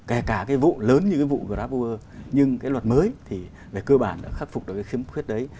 kể cả cái vụ lớn như cái vụ grabbur nhưng cái luật mới thì về cơ bản đã khắc phục được cái khiếm khuyết đấy